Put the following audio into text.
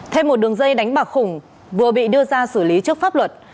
thêm một đường dây đánh bạc khủng vừa bị đưa ra xử lý trước pháp luật